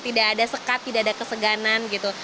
tidak ada sekat tidak ada keseganan gitu